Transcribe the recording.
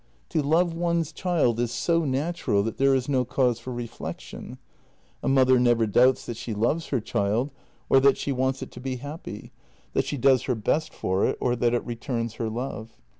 To love one's child is so natural that there is no cause for reflec tion. A mother never doubts that she loves her child, or that she wants it to be happy — that she does her best for it, or that it returns her love.